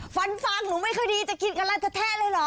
ฟันฟังหนูไม่ค่อยดีจะกินอะไรแท้เลยเหรอ